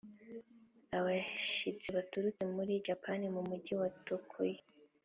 Abashyitsi baturutse muri japan mu mujyi wa tokyo